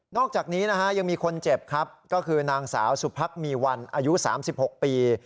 อกจากนี้นะฮะยังมีคนเจ็บครับก็คือนางสาวสุพักมีวันอายุ๓๖ปี